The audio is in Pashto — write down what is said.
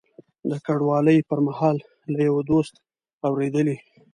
د کډوالۍ پر مهال له یوه دوست اورېدلي.